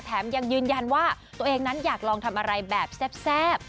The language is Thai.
ยังยืนยันว่าตัวเองนั้นอยากลองทำอะไรแบบแซ่บ